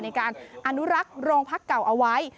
ในการอนุรักษ์โรงพักเก่าเอาไว้